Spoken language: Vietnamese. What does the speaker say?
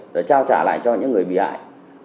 để trao trả lại cho những người bị hại